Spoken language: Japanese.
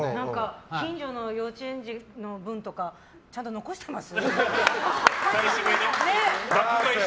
近所の幼稚園児の分とかちゃんと残してます？